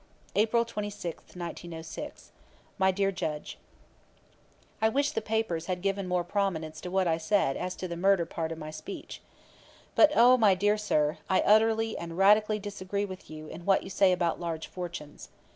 April 26, 1906. "My dear Judge: "I wish the papers had given more prominence to what I said as to the murder part of my speech. But oh, my dear sir, I utterly and radically disagree with you in what you say about large fortunes.